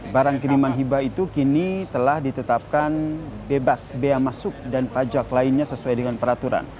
barang kiriman hibah itu kini telah ditetapkan bebas bea masuk dan pajak lainnya sesuai dengan peraturan